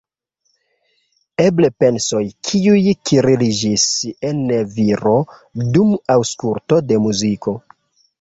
Eble pensoj, kiuj kirliĝis en viro dum aŭskulto de muziko.